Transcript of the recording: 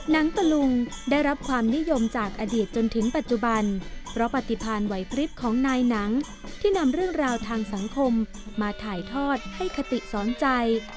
หนังตะลุงได้รับความนิยมจากอดีตจนถึงปัจจุบันเพราะปฏิพันธ์ไหวพลิบของนายหนังที่นำเรื่องราวทางสังคมมาถ่ายทอดให้คติสอนใจ